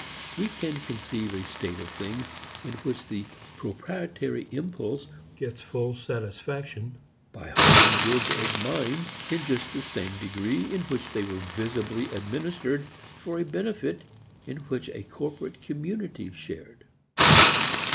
We can conceive a state of things in which the proprietary impulse would get full satisfaction by holding goods as mine in just the degree in which they were visibly administered for a benefit in which a corporate community shared.